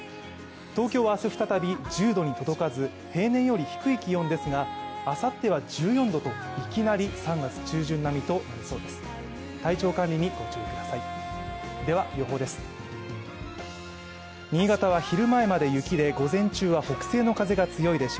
東京は明日再び１０度に届かず平年より低い気温ですがあさっては１４度といきなり３月中旬並みとなりそうです。